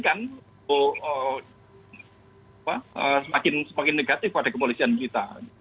mungkin kan semakin negatif pada kemuliaan kita